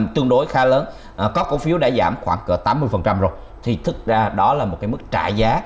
tương đối khá lớn có cổ phiếu đã giảm khoảng tám mươi rồi thì thực ra đó là một cái mức trả giá